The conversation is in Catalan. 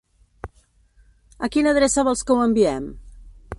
A quina adreça vols que ho enviem?